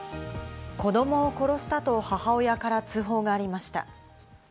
子どもを殺したと母親から通報がありました。